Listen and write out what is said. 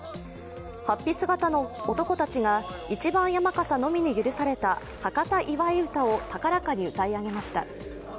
はっぴ姿の男たちが一番山笠のみに許された「博多祝い唄」を高らかに歌い上げました。